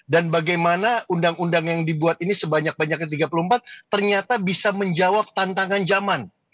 dan bagaimana undang undang yang dibuat ini sebanyak banyaknya tiga puluh empat ternyata bisa menjawab tantangan zaman